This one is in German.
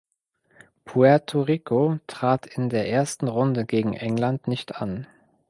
Puerto Rico trat in der ersten Runde gegen England nicht an.